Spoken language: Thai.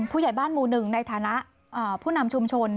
ผู้ใหญ่บ้านหมู่๑ในฐานะผู้นำชุมชน